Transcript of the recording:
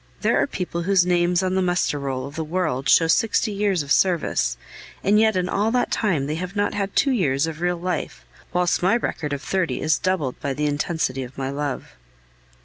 There are people whose names on the muster roll of the world show sixty years of service, and yet in all that time they have not had two years of real life, whilst my record of thirty is doubled by the intensity of my love.